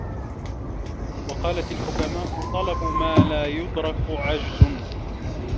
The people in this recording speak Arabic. وَقَالَتْ الْحُكَمَاءُ طَلَبُ مَا لَا يُدْرَكُ عَجْزٌ